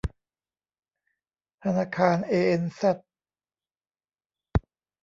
ธนาคารเอเอ็นแซด